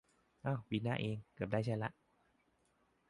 อ้าว ปีหน้านี้เอง เกือบได้ใช้ละ